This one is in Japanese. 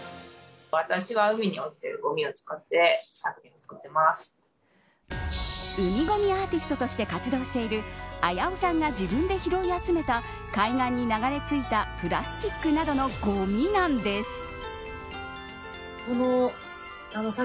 海ゴミアーティストとして活動しているあやおさんが自分で拾い集めた海岸に流れ着いたプラスチックなどのごみなんです。